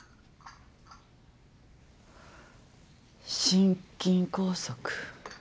心筋梗塞？